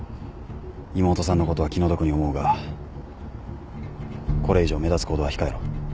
妹さんのことは気の毒に思うがこれ以上目立つ行動は控えろ。